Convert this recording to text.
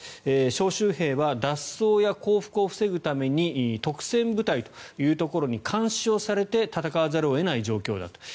招集兵は脱走や降伏を防ぐために督戦部隊というところに監視をされて戦わざるを得ない状況だと。